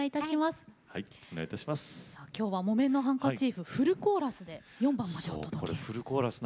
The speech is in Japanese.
きょうは「木綿のハンカチーフ」をフルコーラスでお届けします。